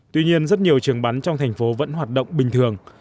tuy nhiên rất nhiều trường bắn trong thành phố vẫn hoạt động bình thường